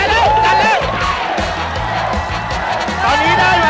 เร็วหน่อย